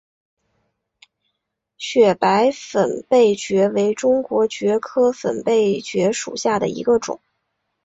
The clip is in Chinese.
雪白粉背蕨为中国蕨科粉背蕨属下的一个种。